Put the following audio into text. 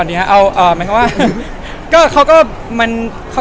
อะไรอย่างนี้ครับเขาก็ไปกับ